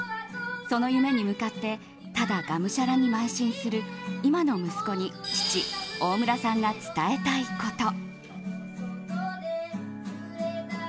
その夢に向かってただがむしゃらに邁進する今の息子に父・大村さんが伝えたいこと。